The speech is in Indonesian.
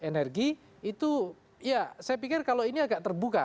energi itu ya saya pikir kalau ini agak terbuka